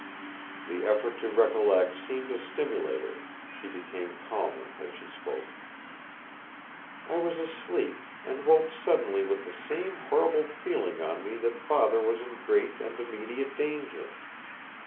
The effort to recollect seemed to stimulate her; she became calmer as she spoke: "I was asleep, and woke suddenly with the same horrible feeling on me that Father was in great and immediate danger.